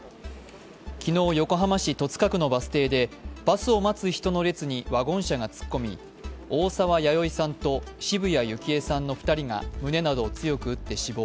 昨日、横浜市戸塚区のバス停でバスを待つ人の列にワゴン車が突っ込み、大沢弥生さんと渋谷幸恵さんの２人が胸などを強く打って死亡。